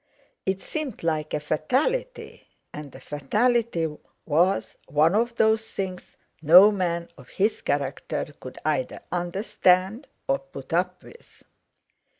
It seemed like a fatality, and a fatality was one of those things no man of his character could either understand or put up with.